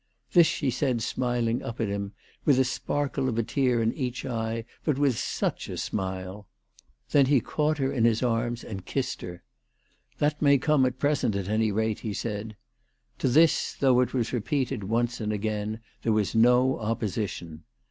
This she said smiling up at him, with a sparkle of a tear in each eye, but with such a smile ! Then he caught her in his arms and kissed her. " That may come at present at any rate," he said. To this, though it was repeated once and again, there was no opposi tion.